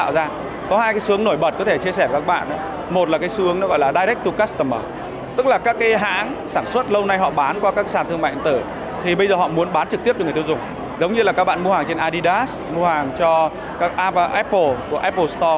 giống như là các bạn mua hàng trên adidas mua hàng cho apple của apple store